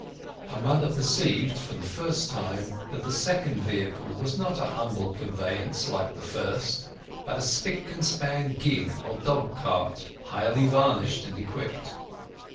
Her mother perceived, for the first time, that the second vehicle was not a humble conveyance like the first, but a spick and span gig or dog cart, highly varnished and equipped.